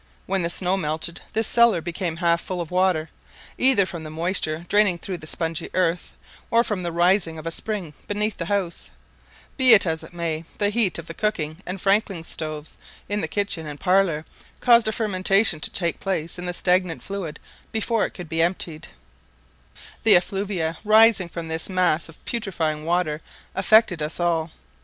When the snow melted, this cellar became half full of water, either from the moisture draining through the spongy earth, or from the rising of a spring beneath the house; be it as it may, the heat of the cooking and Franklin stoves in the kitchen and parlour, caused a fermentation to take place in the stagnant fluid before it could be emptied; the effluvia arising from this mass of putrifying water affected us all.